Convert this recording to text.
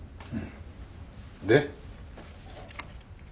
で？